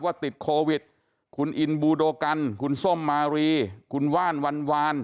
ติดโควิดคุณอินบูโดกันคุณส้มมารีคุณว่านวันวาน